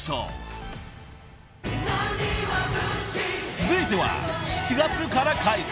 ［続いては７月から開催。